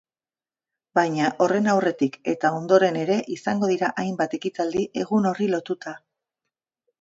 Baina horren aurretik eta ondoren ere izango dira hainbat ekitaldi egun horri lotuta.